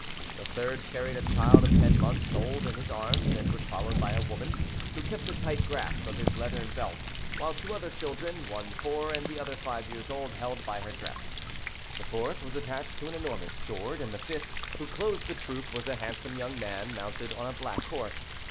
The third carried a child of ten months old in his arms, and was followed by a woman, who kept a tight grasp of his leathern belt, while two other children, one four and the other five years old, held by her dress. The fourth was attached to an enormous sword, and the fifth, who closed the troop, was a handsome young man, mounted on a black horse.